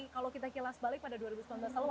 kalau kita kilas balik pada dua ribu sembilan belas lalu